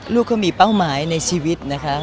ลูกก็มีเป้าหมายในชีวิตนะคะ